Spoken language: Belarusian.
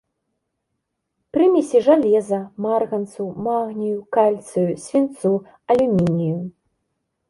Прымесі жалеза, марганцу, магнію, кальцыю, свінцу, алюмінію.